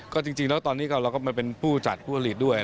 ก็จริงแล้วตอนนี้เราก็มาเป็นผู้จัดผู้ผลิตด้วย